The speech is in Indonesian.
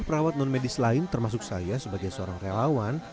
dan perawat non medis lain termasuk saya sebagai seorang kelawan